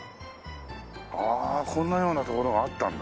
こんなような所があったんだ。